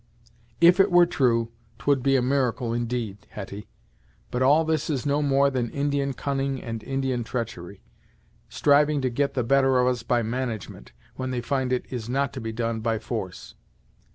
"If it were true 't would be a miracle, indeed, Hetty. But all this is no more than Indian cunning and Indian treachery, striving to get the better of us by management, when they find it is not to be done by force."